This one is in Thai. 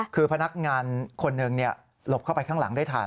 คือพนักงานคนหนึ่งหลบเข้าไปข้างหลังได้ทัน